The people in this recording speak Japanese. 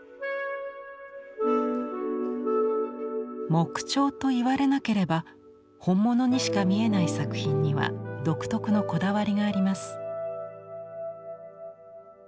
木彫と言われなければ本物にしか見えない作品には独特のこだわりがあります。